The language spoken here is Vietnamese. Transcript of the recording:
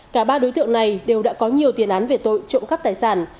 cả ba đối tượng này đều đã có nhiều tiền án về tội trộm cắp tài sản